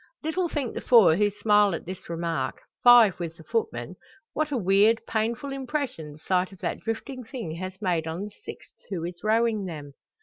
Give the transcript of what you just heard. Little think the four who smile at this remark five with the footman what a weird, painful impression the sight of that drifting thing has made on the sixth who is rowing them.